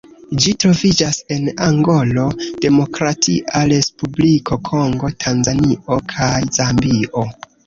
Ĝi troviĝas en Angolo, Demokratia Respubliko Kongo, Tanzanio kaj Zambio.